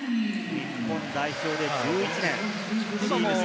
日本代表で１１年。